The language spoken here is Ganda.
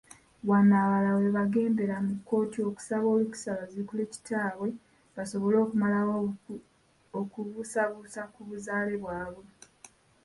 Wano abalala we baagendera mu kkooti okusaba olukusa baziikule kitaabye basobole okumalawo okubuusabussa ku buzaale bwabwe.